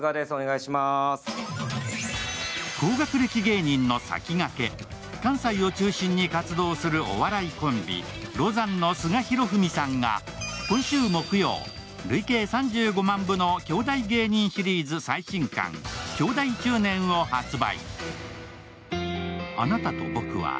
高学歴芸人の先駆け、関西を中心に活動するお笑いコンビ・ロザンの菅広文さんが今週木曜、累計３５万部の京大芸人シリーズ最新刊、「京大中年」を発売。